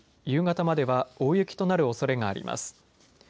夕方までは大雪となるおそれがあります。